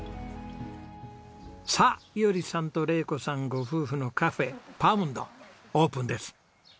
さあ衣織さんと玲子さんご夫婦のカフェＰＯＵＮＤオープンです。